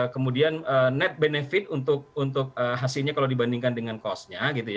kemudian net benefit untuk hasilnya kalau dibandingkan dengan cost nya